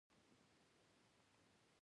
د مکتب په انګړ کې ونې وکرم؟